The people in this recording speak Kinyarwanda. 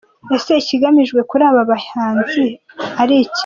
Ese ikigamijwe kuri aba bahinzi ari ikihe?